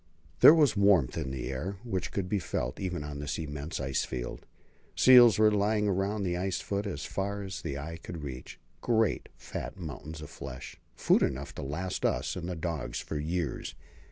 There was warmth in the air which could be felt, even on this immense ice field. Seals were lying along the ice foot as far as the eye could reach great, fat mountains of flesh; food enough to last us and the dogs for years.